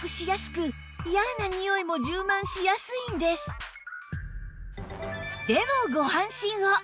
実はでもご安心を！